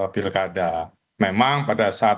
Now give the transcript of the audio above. pilkada memang pada saat